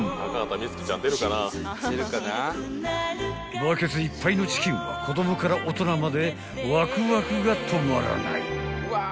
［バケツいっぱいのチキンは子供から大人までワクワクが止まらない］